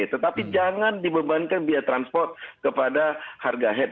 tetapi jangan dibebankan biaya transport kepada harga head